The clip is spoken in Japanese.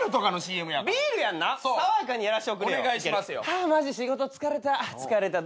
ハァマジ仕事疲れた。